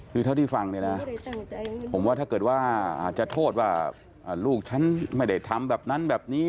คือเท่าที่ฟังเนี่ยนะผมว่าถ้าเกิดว่าอาจจะโทษว่าลูกฉันไม่ได้ทำแบบนั้นแบบนี้